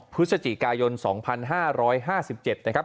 พฤศจิกายน๒๕๕๗นะครับ